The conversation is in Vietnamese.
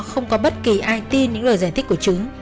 lúc đó không có bất kỳ ai tin những lời giải thích của chứ